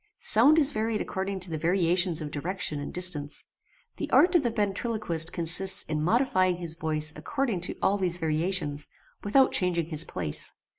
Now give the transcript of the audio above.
Sound is varied according to the variations of direction and distance. The art of the ventriloquist consists in modifying his voice according to all these variations, without changing his place.